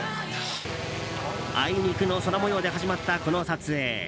あいにくの空模様で始まったこの撮影。